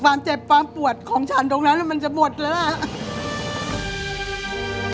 เจ็บความปวดของฉันตรงนั้นมันจะหมดแล้วอ่ะ